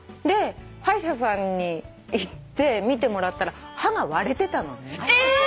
で歯医者さんに行って診てもらったら歯が割れてたのね。